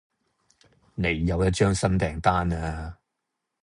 你有一張新訂單呀